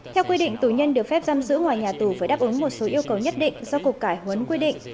theo quy định tù nhân được phép giam giữ ngoài nhà tù với đáp ứng một số yêu cầu nhất định do cục cải huấn quy định